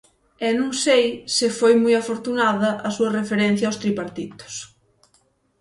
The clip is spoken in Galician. E non sei se foi moi afortunada a súa referencia aos tripartitos.